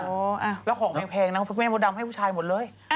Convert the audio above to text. โอ้โหแล้วของไม่แพงนะเพราะแม่มดำให้ผู้ชายหมดเลย